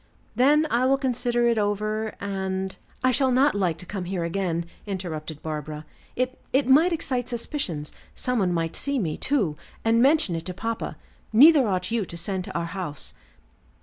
"Then I will consider it over, and " "I shall not like to come here again," interrupted Barbara. "It it might excite suspicions; some one might see me, too, and mention it to papa. Neither ought you to send to our house."